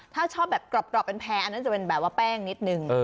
ถ้าชอบแบบกรอบเป็นแพรอันนั้นจะเป็นแบบว่าแป้งนิดนึง